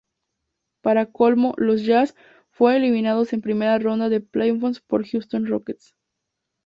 Para colmo, los Jazz fueron eliminados en primera ronda de playoffs por Houston Rockets.